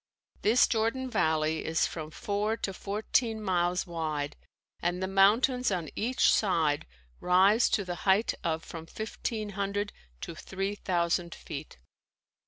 This Jordan valley is from four to fourteen miles wide and the mountains on each side rise to the height of from fifteen hundred to three thousand feet.